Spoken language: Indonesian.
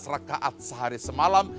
tujuh belas rakaat sehari semalam